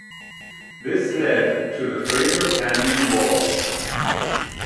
This led to the Fraser Canyon War.